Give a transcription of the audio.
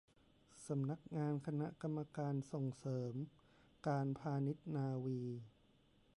สำนักงานคณะกรรมการส่งเสริมการพาณิชยนาวี